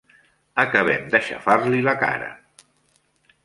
Acabem d'aixafar-li la cara!